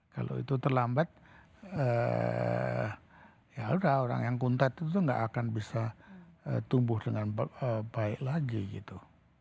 kalau itu terlambat ya udah orang yang kuntat itu nggak akan bisa tumbuh dengan baik lagi gitu